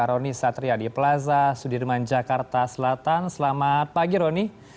roni satriadi plaza sudirman jakarta selatan selamat pagi roni